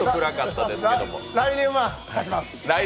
来年は勝ちます！